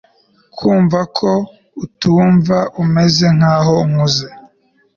kumva ko utumva umeze nkaho nkunze